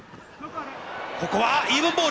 ここはイーブンボール。